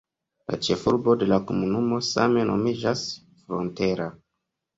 La ĉefurbo de la komunumo same nomiĝas "Frontera".